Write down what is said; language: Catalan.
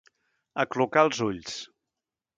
Aclucar els ulls.